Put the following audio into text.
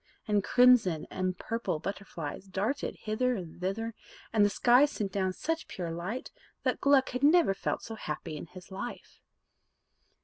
And crimson and purple butterflies darted hither and thither, and the sky sent down such pure light, that Gluck had never felt so happy in his life.